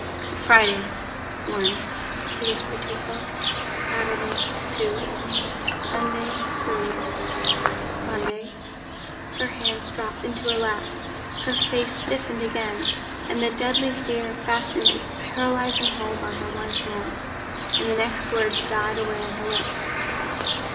"Friday, one," she whispered to herself; "Saturday, two; Sunday, three; Monday—" Her hands dropped into her lap, her face stiffened again; the deadly fear fastened its paralyzing hold on her once more, and the next words died away on her lips.